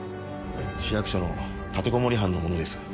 市役所の立てこもり犯の物です。